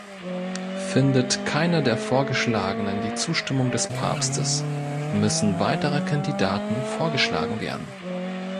Findet keiner der Vorgeschlagenen die Zustimmung des Papstes, müssen weitere Kandidaten vorgeschlagen werden.